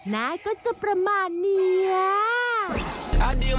น่าก็จะประมาณเนี่ย